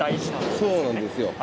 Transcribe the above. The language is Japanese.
そうなんですよ。